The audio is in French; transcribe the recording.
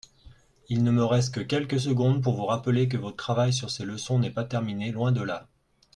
Il ne me reste que quelques secondes pour vous rappeller que votre travail sur ces leçons n'est pas terminé, loin de là.